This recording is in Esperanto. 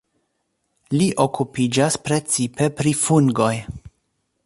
Li okupiĝas precipe pri fungoj.